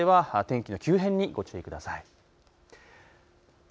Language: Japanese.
お昼前後までは天気の急変にご注意ください。